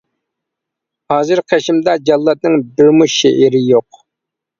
ھازىر قېشىمدا جاللاتنىڭ بىرمۇ شېئىرى يوق.